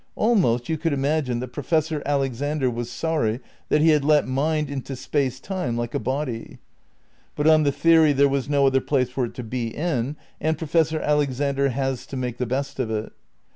Almost you could imagine that Professor Alexander was sorry that he had let mind into space time like a body. But on the theory there was no other place for it to be in, and Professor Alexander has to make the best of it.